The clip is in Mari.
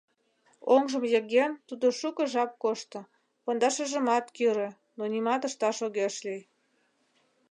Оҥжым йыген, тудо шуко жап кошто, пондашыжымат кӱрӧ, но нимат ышташ огеш лий.